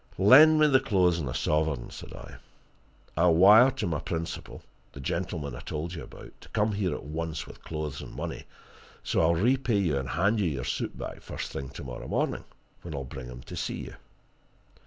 "Lend me the clothes and a sovereign," said I. "I'll wire to my principal, the gentleman I told you about, to come here at once with clothes and money, so I'll repay you and hand your suit back first thing tomorrow morning, when I'll bring him to see you."